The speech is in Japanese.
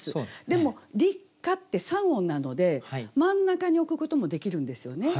でも「立夏」って３音なので真ん中に置くこともできるんですよね。